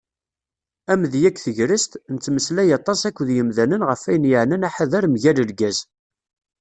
Amedya deg tegrest: Nettmeslay aṭas akked yimdanen ɣef wayen yeɛnan aḥader mgal lgaz.